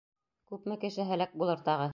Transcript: Күпме кеше һәләк булыр тағы?